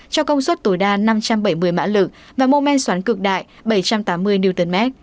cho công suất tối đa năm trăm bảy mươi mã lực và mô men xoắn cực đại bảy trăm tám mươi nm